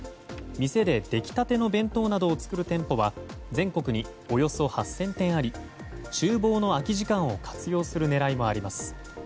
店で出来たての弁当などを作る店舗は全国におよそ８０００店あり厨房の空き時間を活用する狙いもあります。